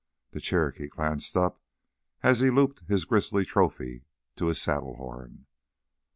The Cherokee glanced up as he looped his grisly trophy to his saddle horn.